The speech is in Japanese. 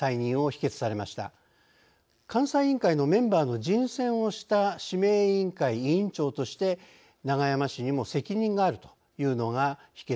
監査委員会のメンバーの人選をした指名委員会委員長として永山氏にも責任があるというのが否決の理由と見られます。